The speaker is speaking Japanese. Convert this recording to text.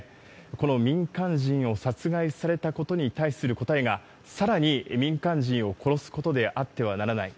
この民間人を殺害されたことに対する答えが、さらに民間人を殺すことであってはならない。